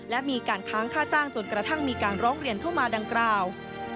และมีการค้างค่าจ้างจนกระทั่งมีการร้องเรียนเข้ามาดังกล่าว